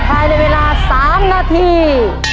ท้ายได้เวลา๓นาที